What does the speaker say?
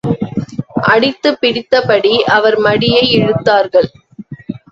அடித்து பிடித்தபடி அவர் மடியை இழுத்தார்கள்.